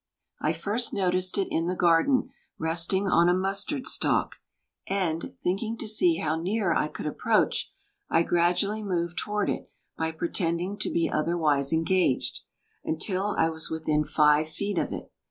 "I first noticed it in the garden, resting on a mustard stalk, and, thinking to see how near I could approach, I gradually moved toward it by pretending to be otherwise engaged, until I was within five feet of it.